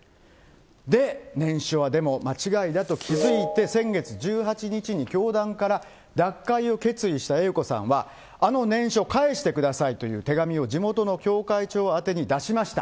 で、念書は、でも間違いだと気付いて、先月１８日に教団から脱会を決意したＡ子さんは、あの念書、返してくださいという手紙を地元の教会長宛てに出しました。